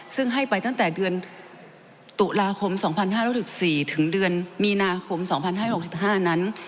ซึ่งให้ไปตั้งแต่เดือนตุลาคม๒๕๑๔ถึงเดือนมีนาคม๒๕๖๕นั้น